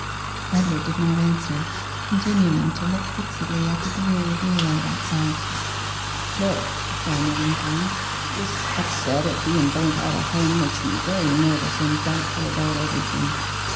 Edward did not answer, continuing to look fixedly at the dreary daylight outside. 'Ted,' the farmer went on, 'this upset of be en burnt out o' home makes me very nervous and doubtful about everything.